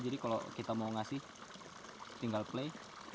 jadi kalau kita mau kasih tinggal play